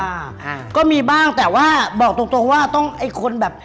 อ่าฮะก็มีบ้างแต่ว่าบอกตรงตรงว่าต้องไอ้คนแบบ